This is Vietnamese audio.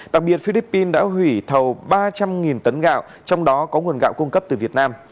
đặc biệt philippines đã hủy thầu ba trăm linh tấn gạo trong đó có nguồn gạo cung cấp từ việt nam